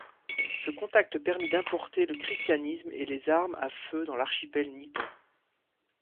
Ce contact permit d'importer le christianisme et les armes à feu dans l'archipel nippon.